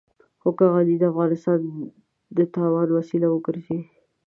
خو که غني د افغانستان د تاوان وسيله وګرځي.